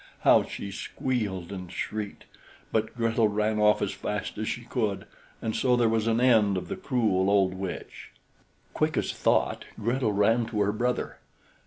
how she squealed and shrieked, but Gretel ran off as fast as she could, and so there was an end of the cruel old witch. Quick as thought, Gretel ran to her brother.